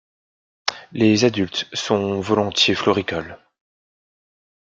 Les adultes sont volontiers floricoles.